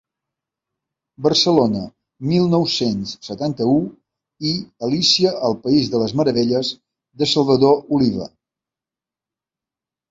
Barcelona, mil nou-cents setanta-u i Alícia al país de les meravelles de Salvador Oliva.